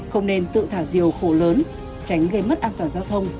không nên tự thả diều khổ lớn tránh gây mất an toàn giao thông